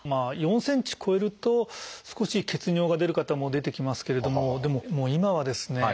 ４ｃｍ超えると少し血尿が出る方も出てきますけれどもでも今はですね